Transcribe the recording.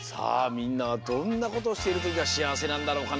みんなはどんなことをしてるときがしあわせなんだろうかね？